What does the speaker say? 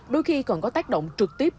đôi khi còn có tác động trực tiếp